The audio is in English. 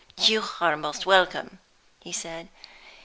"You are most welcome," he said.